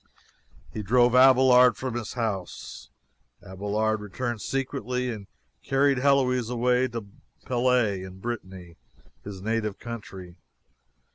He drove Abelard from his house. Abelard returned secretly and carried Heloise away to Palais, in Brittany, his native country.